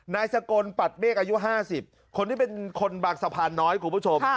นายสกลปัดเมฆอายุ๕๐คนที่เป็นคนบางสะพานน้อยคุณผู้ชม